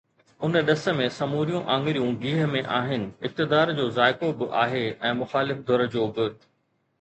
ان ڏس ۾ سموريون آڱريون گيهه ۾ آهن، اقتدار جو ذائقو به آهي ۽ مخالف ڌر جو به.